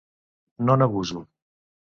No n'abuso.